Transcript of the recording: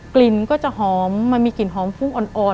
กลิ่นก็จะหอมมันมีกลิ่นหอมฟุ้งอ่อน